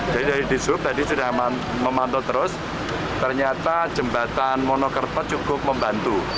jadi dari di sub tadi sudah memantau terus ternyata jembatan monokerpet cukup membantu